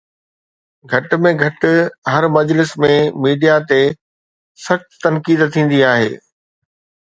گهٽ ۾ گهٽ هر مجلس ۾ ميڊيا تي سخت تنقيد ٿيندي آهي.